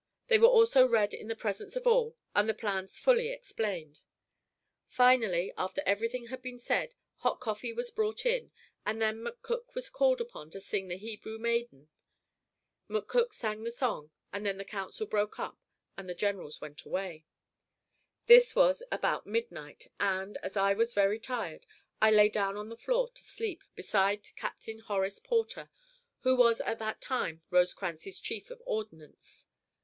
They were also read in the presence of all, and the plans fully explained. Finally, after everything had been said, hot coffee was brought in, and then McCook was called upon to sing the Hebrew Maiden. McCook sang the song, and then the council broke up and the generals went away. This was about midnight, and, as I was very tired, I lay down on the floor to sleep, beside Captain Horace Porter, who was at that time Rosecrans's chief of ordnance.